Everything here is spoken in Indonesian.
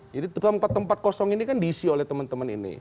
karena tempat tempat kosong ini kan diisi oleh temen temen ini